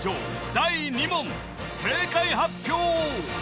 第２問正解発表！